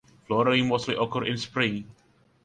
Flowering mostly occurs in spring.